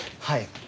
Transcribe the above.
はい。